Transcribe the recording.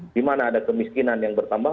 dimana ada kemiskinan yang bertambah